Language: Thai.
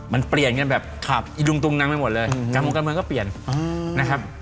มันเปลี่ยนกันแบบขับอีดุงตุงนังไปหมดเลยการเมืองก็เปลี่ยนนะครับ